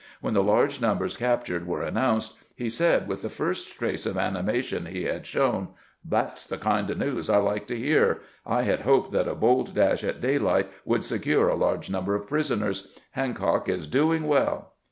"When the large numbers cap tured were announced, he said, with the first trace of animation he had shown :" That 's the kind of news I like to hear. I had hoped that a bold dash at daylight would secure a large number of prisoners. Hancock is doing well."